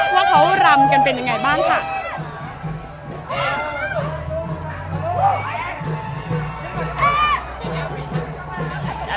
ว่าเขารำกันเป็นยังไงบ้างค่ะ